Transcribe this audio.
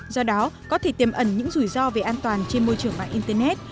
do đó có thể tiềm ẩn những rủi ro về an toàn trên môi trường mạng internet